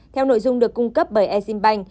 theo nội dung được cung cấp bởi exim bank